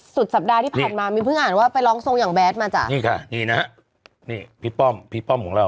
สุดสัปดาห์ที่ผ่านมามีเพิ่งอ่านว่าไปร้องโซงอย่างแบ๊ดมาจ้ะพี่ป้อมพี่ป้อมของเรา